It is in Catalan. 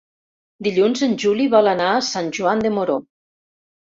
Dilluns en Juli vol anar a Sant Joan de Moró.